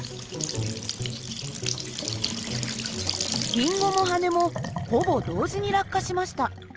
リンゴも羽根もほぼ同時に落下しました。